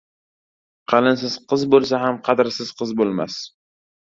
• Qalinsiz qiz bo‘lsa ham, qadrsiz qiz bo‘lmas.